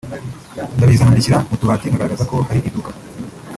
ndabizana mbishyira mu tubati nkagaragaza ko hari iduka